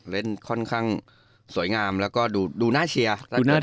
เล่นค่อนข้างสวยงามแล้วก็ดูน่าเชียร์